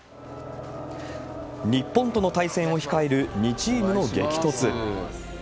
日本との対戦を控える２チームの激突。